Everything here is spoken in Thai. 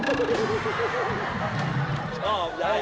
ชอบย้ายรอก